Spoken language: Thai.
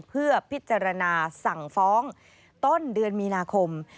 เพื่อพิจารณาสั่งฟ้องต้นเดือนมีนาคม